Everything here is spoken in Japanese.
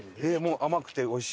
甘くておいしい？